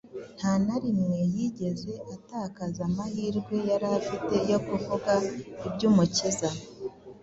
Nta na rimwe yigeze atakaza amahirwe yari afite yo kuvuga iby’Umukiza.